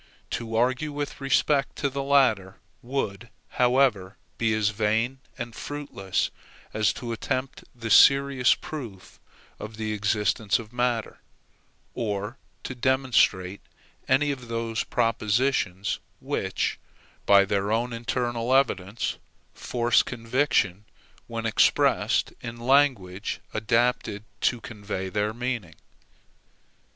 To argue with respect to the latter would, however, be as vain and fruitless as to attempt the serious proof of the existence of matter, or to demonstrate any of those propositions which, by their own internal evidence, force conviction, when expressed in language adapted to convey their meaning.